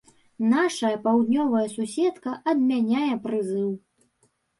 Нашая паўднёвая суседка адмяняе прызыў.